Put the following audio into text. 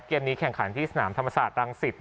เกมนี้แข่งขันที่สนามธรรมศาสตรังสิต